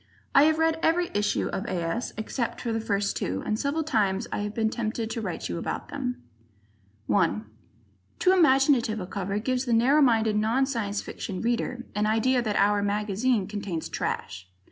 I have read every issue of A. S. except the first two, and several times I have been tempted to write to you about them. 1 Too imaginative a cover gives the narrow minded non Science Fiction reader an idea that "our" mag contains trash.